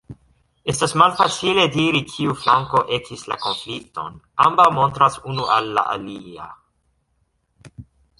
Estas malfacile diri, kiu flanko ekis la konflikton: ambaŭ montras unu al la alia.